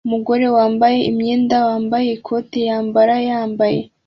Umugore wambaye umwenda wambaye ikoti yambara yambaye